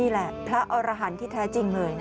นี่แหละพระอรหันต์ที่แท้จริงเลย